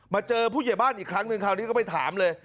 เจอผู้ใหญ่บ้านอีกครั้งหนึ่งคราวนี้ก็ไปถามเลย